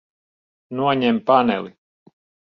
Noņem paneli.